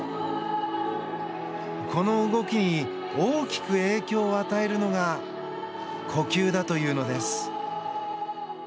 この動きに大きく影響を与えるのが呼吸だというのです。